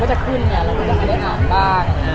มันก็จะขึ้นอย่างนี้แล้วมันก็จะอาด้านบ้าง